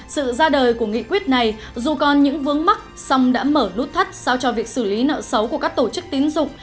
sự ra đời của nghị quyết này dù còn những vướng mắc song đã mở nút thắt sao cho việc xử lý nợ xấu của các tổ chức tín dụng